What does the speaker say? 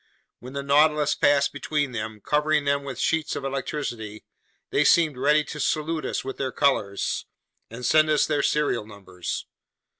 When the Nautilus passed between them, covering them with sheets of electricity, they seemed ready to salute us with their colors and send us their serial numbers!